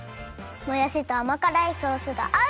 もやしとあまからいソースがあう！